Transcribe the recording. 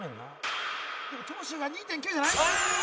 「でも長州は２．９じゃない？」